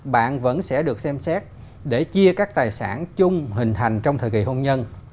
bạn vẫn sẽ được xem xét để chia các tài sản chung hình thành trong thời kỳ hôn nhân